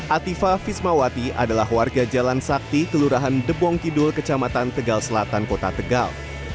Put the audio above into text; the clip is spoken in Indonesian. atifa fismawati adalah warga jalan sakti kelurahan debong kidul kecamatan tegal selatan kota tegal